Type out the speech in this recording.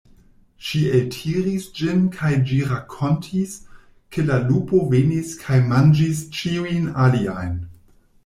Ŝi eltiris ĝin kaj ĝi rakontis, ke la lupo venis kaj manĝis ĉiujn aliajn.